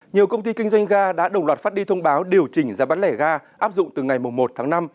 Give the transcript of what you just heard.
nhiều công ty kinh doanh ga đã đồng loạt phát đi thông báo điều chỉnh giá bán lẻ ga áp dụng từ ngày một tháng năm